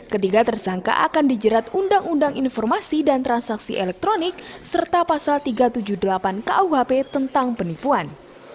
ketiga tersangka akan dijerat undang undang informasi dan transaksi elektronik serta pasal tiga ratus tujuh puluh delapan kuhp tentang penipuan